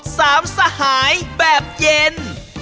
สามสหายแบบเย็น